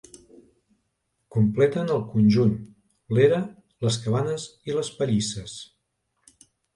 Completen el conjunt, l'era, les cabanes i les pallisses.